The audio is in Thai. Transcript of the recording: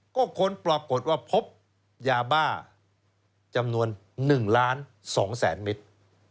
ก็ค้นปรากฏว่าพบยาบ้าจำนวน๑ล้าน๒แสนเมตร